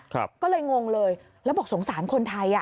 ก็เลยงงเลยแล้วบอกสงสารคนไทยอ่ะ